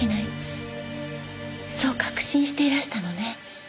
そう確信していらしたのね？